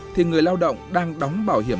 thì người lao động đang đóng bảo hiểm